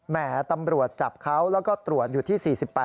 แหมตำรวจจับเขาแล้วก็ตรวจอยู่ที่๔๘